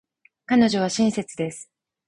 彼女は親切です。